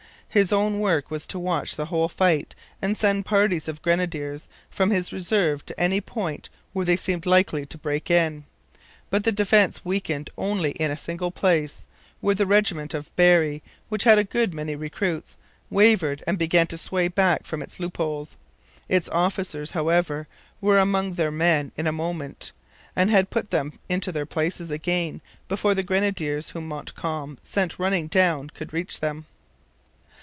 His own work was to watch the whole fight and send parties of grenadiers from his reserve to any point where the enemy seemed likely to break in. But the defence weakened only in a single place, where the regiment of Berry, which had a good many recruits, wavered and began to sway back from its loopholes. Its officers, however, were among their men in a moment, and had put them into their places again before the grenadiers whom Montcalm sent running down could reach them.